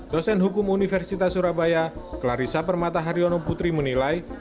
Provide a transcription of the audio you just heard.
dosen hukum universitas surabaya clarissa permata haryono putri menilai